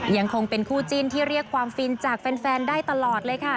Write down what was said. ยังคงเป็นคู่จิ้นที่เรียกความฟินจากแฟนได้ตลอดเลยค่ะ